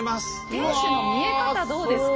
天主の見え方どうですか？